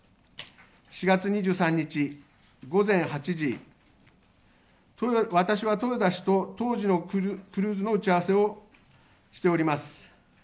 ４月２３日午前８時、私は豊田氏と当時のクルーズの打ち合わせをしております。